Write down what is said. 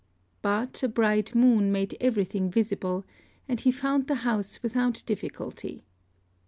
But a bright moon made everything visible; and he found the house without difficulty.